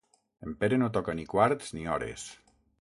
En Pere no toca ni quarts ni hores.